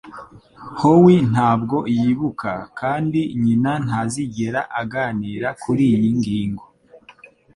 Howie ntabwo yibuka kandi nyina ntazigera aganira kuriyi ngingo.